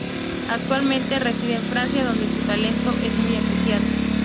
Actualmente reside en Francia, donde su talento es muy apreciado.